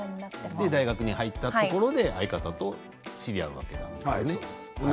大学に入ったところで相方と知り合ったんですけど。